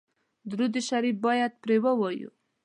درود شریف باید پرې ووایو.